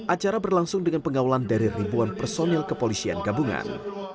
acara berlangsung dengan pengawalan dari ribuan personil kepolisian gabungan